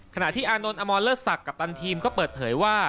ขณะที่อานนท์อมอลเลอสักกับตันทีมก็เปิดเผยว่า